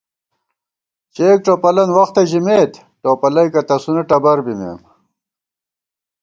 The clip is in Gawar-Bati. چېک ٹوپَلن وختہ ژِمېت، ٹوپلَئیکہ تسُونہ ٹبَربِمېم